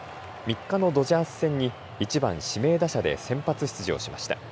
３日のドジャース戦に１番・指名打者で先発出場しました。